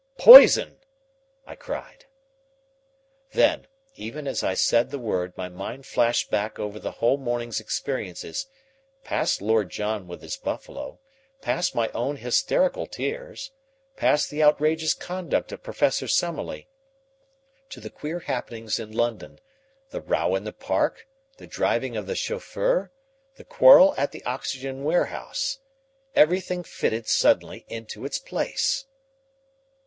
"Poison!" I cried. Then, even as I said the word, my mind flashed back over the whole morning's experiences, past Lord John with his buffalo, past my own hysterical tears, past the outrageous conduct of Professor Summerlee, to the queer happenings in London, the row in the park, the driving of the chauffeur, the quarrel at the oxygen warehouse. Everything fitted suddenly into its place.